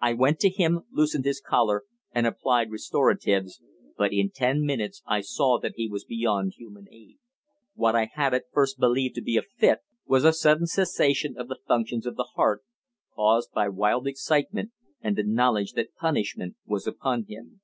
I went to him, loosened his collar, and applied restoratives, but in ten minutes I saw that he was beyond human aid. What I had at first believed to be a fit was a sudden cessation of the functions of the heart caused by wild excitement and the knowledge that punishment was upon him.